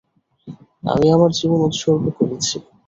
আমি আমার জীবন উৎসর্গ করেছি!